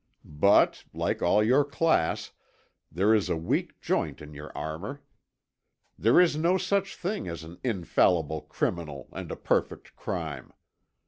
But like all your class, there is a weak joint in your armor. There is no such thing as an infallible criminal and a perfect crime.